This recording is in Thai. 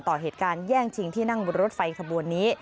ต่อเหตุการณ์แย่งชิงที่นั่งบนรถไฟขบวนนี้